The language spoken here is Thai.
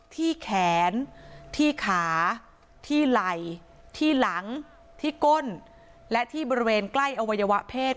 ที่แขนที่ขาที่ไหล่ที่หลังที่ก้นและที่บริเวณใกล้อวัยวะเพศ